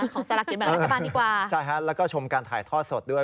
สละกินแบบรัฐบาลดีกว่าใช่ฮะแล้วก็ชมการถ่ายทอดสดด้วย